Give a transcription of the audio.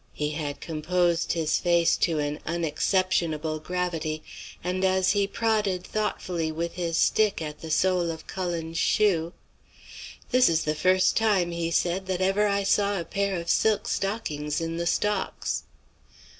He had composed his face to an unexceptionable gravity, and as he prodded thoughtfully with his stick at the sole of Cullen's shoe, "'This is the first time,' he said, 'that ever I saw a pair of silk stockings in the stocks.'